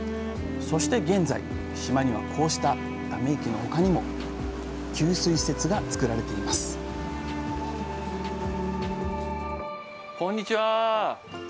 そして現在島にはこうしたため池の他にも給水施設がつくられていますこんにちは。